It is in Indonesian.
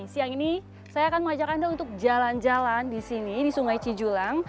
siang ini saya akan mengajak anda untuk jalan jalan di sini di sungai cijulang